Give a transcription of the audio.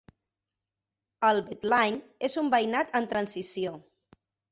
El Beltline és un veïnat en transició.